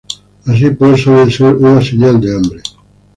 Así pues, suelen ser una señal de hambre.